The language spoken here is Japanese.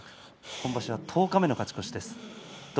今場所は十日目での勝ち越しです。